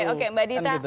oke mbak dita